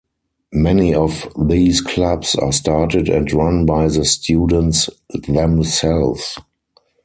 Many of these clubs are started and run by the students themselves.